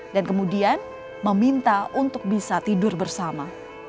dan kemudian meminta untuk bisa tidur bersama